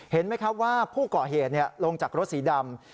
เห็นไหมครับว่าผู้ก่อเหตุลงจากรถสีดำ